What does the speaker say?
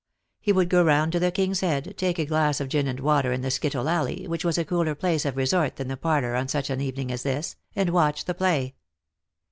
He would go round to the King's Head, take a glass of gin and water in the skittle alley, which was a cooler place of resort than the parlour on such an evening as this, and watch the play.